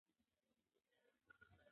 خیر محمد د کار وروستی ثبوت پرېښود.